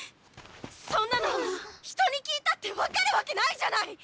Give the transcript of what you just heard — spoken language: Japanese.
そんなの人に聞いたって分かるわけないじゃない！